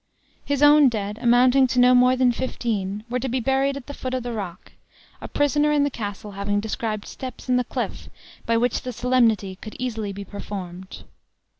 His own dead, amounting to no more than fifteen, were to be buried at the foot of the rock, a prisoner in the castle having described steps in the cliff by which the solemnity could easily be performed.